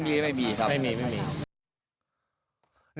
ไม่มีครับ